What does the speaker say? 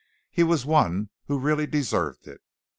Here was one who really deserved it.